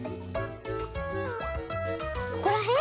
ここらへん？